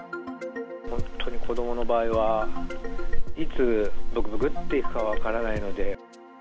本当に子どもの場合は、いつぶくぶくっていくか分からないので。